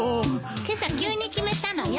今朝急に決めたのよ。